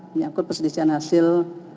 menyakut persedisihan hasil